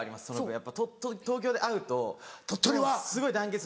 やっぱ東京で会うともうすごい団結。